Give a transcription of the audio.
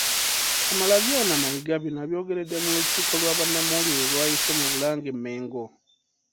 Kamalabyonna Mayiga bino abyogeredde mu lukiiko lwa bannamawulire lw'ayise mu Bulange-Mmengo